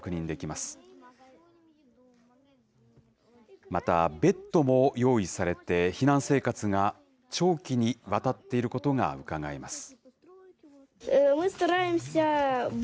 また、ベッドも用意されて、避難生活が長期にわたっていることがうかがえます。